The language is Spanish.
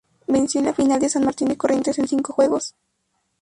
Venció en la final a San Martín de Corrientes en cinco juegos.